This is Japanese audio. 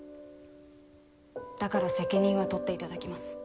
だから責任は取って頂きます。